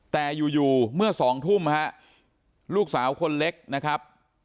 แต่อยู่เมื่อ๒ทุ่มฮะลูกสาวคนเล็กนะครับ